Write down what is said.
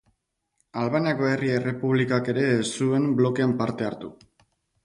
Albaniako Herri Errepublikak ere ez zuen blokean parte hartu.